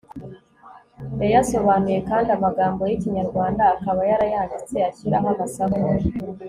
yayasobanuye kandi amagambo y'ikinyarwanda akaba yarayanditse ashyiraho amasaku